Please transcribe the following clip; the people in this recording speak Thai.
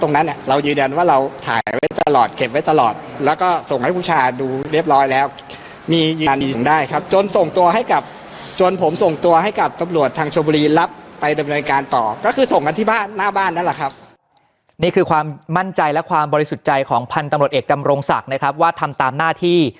นี่คือความมั่นใจและความบริสุทธิ์ใจของพันธุ์ตำรวจเอกดำรงศักดิ์นะครับว่าทำตามหน้าที่